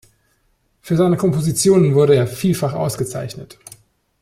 Für seine Kompositionen wurde er vielfach ausgezeichnet.